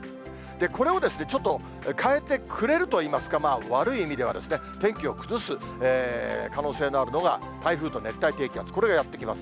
これをちょっと変えてくれるといいますか、まあ悪い意味では、天気を崩す可能性のあるのが、台風と熱帯低気圧、これがやって来ます。